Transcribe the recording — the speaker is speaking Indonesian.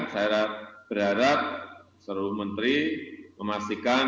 saya berharap seluruh menteri memastikan